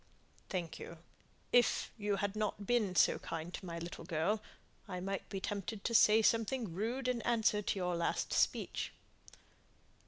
"Thank you. If you hadn't been so kind to my little girl, I might be tempted to say something rude in answer to your last speech."